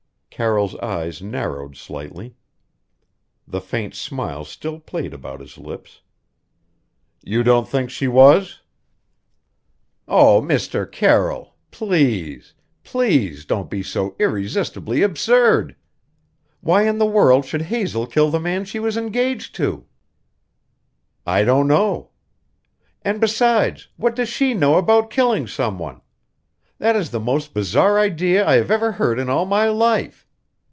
Carroll's eyes narrowed slightly. The faint smile still played about his lips. "You don't think she was?" "Oh, Mr. Carroll! Please, please, don't be so irresistibly absurd! Why in the world should Hazel kill the man she was engaged to?" "I don't know." "And besides, what does she know about killing some one? That is the most bizarre idea I have ever heard in all my life.